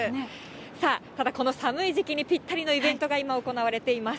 さあ、ただこの寒い時期にぴったりのイベントが、今、行われています。